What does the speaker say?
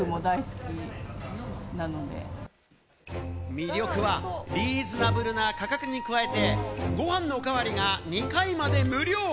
魅力は、リーズナブルな価格に加えて、ご飯のおかわりが２回まで無料！